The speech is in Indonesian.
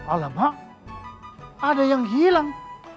alamak ada yang hilang